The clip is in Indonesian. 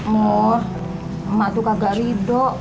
murni mak tuh kagak rido